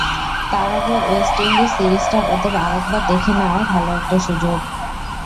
তার আগে West Indies সিরিজটা ওদের আরেকবার দেখে নেওয়ার ভালো একটা সুযোগ।